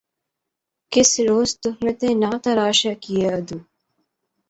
کس روز تہمتیں نہ تراشا کیے عدو